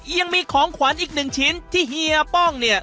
ยังมีของขวัญอีกหนึ่งชิ้นที่เฮียป้องเนี่ย